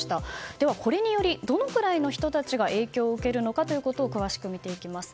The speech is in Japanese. では、これによりどのくらいの人たちが影響を受けるのかを詳しく見ていきます。